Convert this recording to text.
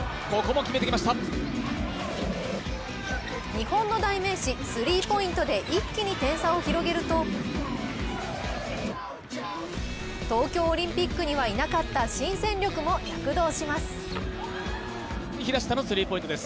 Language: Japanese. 日本の代名詞、スリーポイントで一気に点差を広げると東京オリンピックにはいなかった新戦力も躍動します。